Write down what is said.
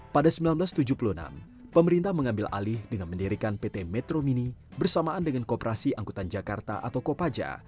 pada seribu sembilan ratus tujuh puluh enam pemerintah mengambil alih dengan mendirikan pt metro mini bersamaan dengan kooperasi angkutan jakarta atau kopaja